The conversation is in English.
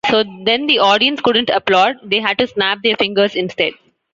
So then the audience couldn't applaud; they had to snap their fingers instead.